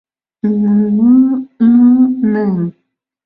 — Н-ну-ну-нын...